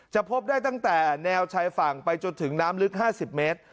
พบได้ตั้งแต่แนวชายฝั่งไปจนถึงน้ำลึก๕๐เมตร